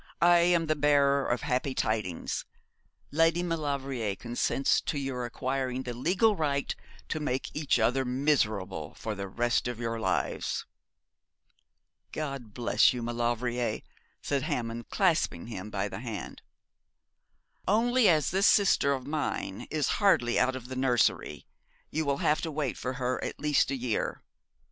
I am the bearer of happy tidings. Lady Maulevrier consents to your acquiring the legal right to make each other miserable for the rest of your lives.' 'God bless you, Maulevrier,' said Hammond, clasping him by the hand. 'Only as this sister of mine is hardly out of the nursery you will have to wait for her at least a year.